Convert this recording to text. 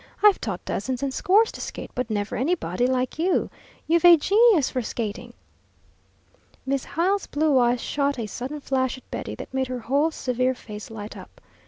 "I've taught dozens and scores to skate, but never anybody like you. You've a genius for skating." Miss Hyle's blue eyes shot a sudden flash at Betty that made her whole severe face light up.